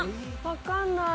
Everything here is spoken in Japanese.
わかんない。